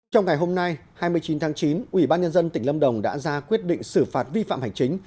trong ngày hôm nay hai mươi chín tháng chín ủy ban nhân dân tỉnh lâm đồng đã ra quyết định xử phạt vi phạm hành chính